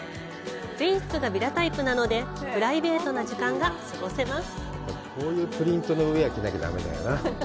全室がヴィラタイプなのでプライベートな時間が過ごせます。